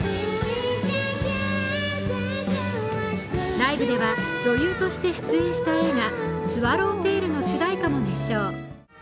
ライブでは、女優として出演した映画「スワロウテイル」の主題歌も熱唱。